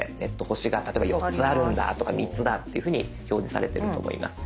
星が例えば４つあるんだとか３つだっていうふうに表示されてると思います。